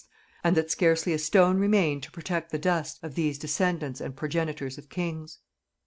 and that scarcely a stone remained to protect the dust of these descendants and progenitors of kings!